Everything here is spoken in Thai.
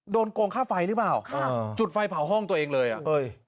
โดนโครงค่าไฟหรือเปล่าจุดไฟเผาห้องตัวเองเลยน่ะ